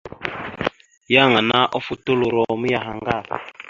Yan ana ofotoloro miyaŋgar.